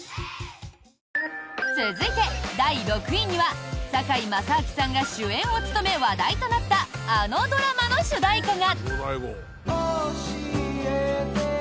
続いて、第６位には堺正章さんが主演を務め話題となったあのドラマの主題歌が！